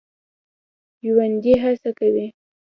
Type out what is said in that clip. ژوندي هڅه کوي